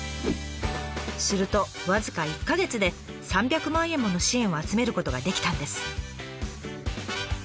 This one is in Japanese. すると僅か１か月で３００万円もの支援を集めることができたんです。